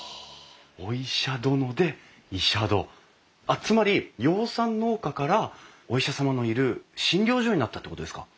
あっつまり養蚕農家からお医者様のいる診療所になったってことですか？